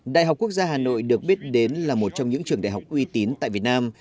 đại học quốc gia hà nội được biết đến là một trong những trường đại học uy tín tại việt nam